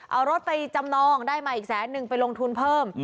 เอารถไปจำนองได้มาอีกแสนนึงไปลงทุนเพิ่ม